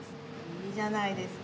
いいじゃないですか。